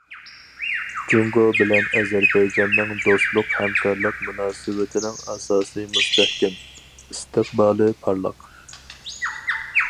جۇڭگو بىلەن ئەزەربەيجاننىڭ دوستلۇق ھەمكارلىق مۇناسىۋىتىنىڭ ئاساسى مۇستەھكەم، ئىستىقبالى پارلاق.